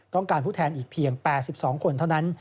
การผู้แทนอีกเพียง๘๒คนเท่านั้น